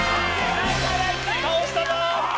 倒したぞ！